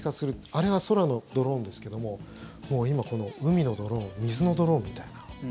あれは、空のドローンですけども今、海のドローン水のドローンみたいな。